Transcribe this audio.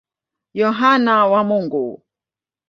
Yohane wa Mungu.